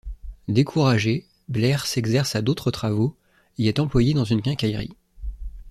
Découragé, Blair s'exerce à d'autres travaux et est employé dans une quincaillerie.